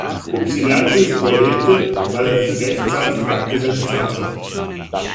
Ypsilantis überlebte, weil er sich rechtzeitig abgesetzt hatte.